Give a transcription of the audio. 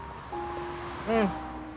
うん。